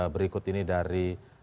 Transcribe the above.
berikut ini dari